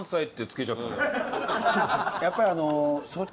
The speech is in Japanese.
やっぱりあの。